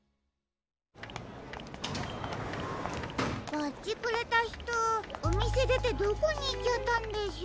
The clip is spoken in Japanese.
バッジくれたひとおみせでてどこにいっちゃったんでしょう。